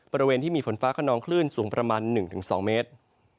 บริเวณที่มีฝนฟ้าขนองคลื่นสูงประมาณ๑๒เมตร